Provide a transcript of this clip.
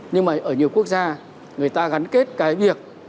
nhưng mà ở nhiều quốc gia người ta gắn kết cái việc